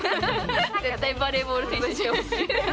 絶対バレーボール選手にしてほしい。